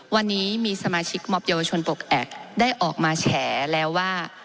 วันนี้มีสมาชิกมอบเยาวชนปกแอกได้ออกมาแฉแล้วว่า